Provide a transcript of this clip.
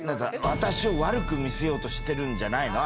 「私を悪く見せようとしてるんじゃないの？